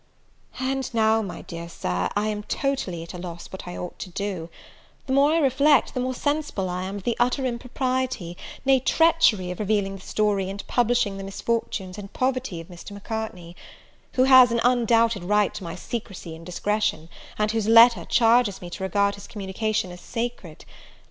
And now, my dear Sir, I am totally at a loss what I ought to do; the more I reflect, the more sensible I am of the utter impropriety, nay, treachery, of revealing the story, and publishing the misfortunes and poverty of Mr. Macartney; who has an undoubted right to my secrecy and discretion, and whose letter charges me to regard his communication as sacred.